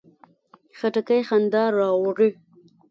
خټکی خندا راوړي.